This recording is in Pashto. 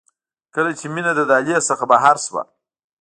کله چې مينه له دهلېز څخه بهر شوه.